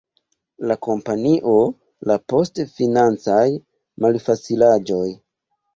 La kompanio la post financaj malfacilaĵoj.